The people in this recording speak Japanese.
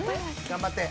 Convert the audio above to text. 頑張って。